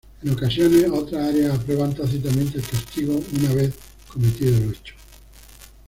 En ocasiones, otras áreas aprueban tácitamente el castigo, una vez cometido el hecho.